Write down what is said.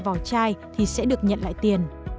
vỏ chai thì sẽ được nhận lại tiền